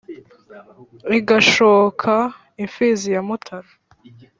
igashooka imfizi ya mútara